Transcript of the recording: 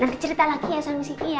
nanti cerita lagi ya sama miss kiki ya